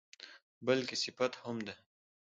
بلکې صفت هم ده.